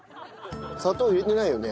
砂糖入れてないよね？